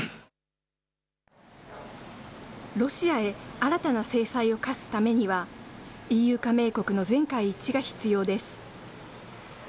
新たな制裁を科すためには、ＥＵ加盟国の全会一致が必要です。